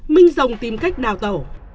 minh rồng tìm cách đào tẩu